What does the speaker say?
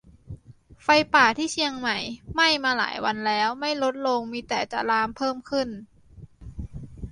ไฟป่าที่เชียงใหม่ไหม้มาหลายวันแล้ว ไม่ลดลง มีแต่จะลามเพิ่มขึ้น